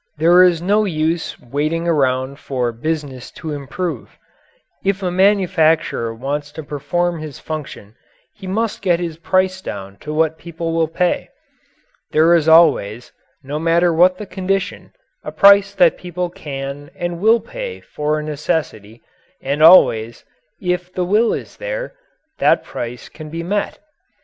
There is no use waiting around for business to improve. If a manufacturer wants to perform his function, he must get his price down to what people will pay. There is always, no matter what the condition, a price that people can and will pay for a necessity, and always, if the will is there, that price can be met.